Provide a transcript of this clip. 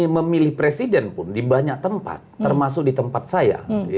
memilih presiden pun di banyak tempat termasuk di tempat saya